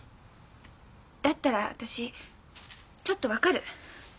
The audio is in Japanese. だったら私ちょっと分かる。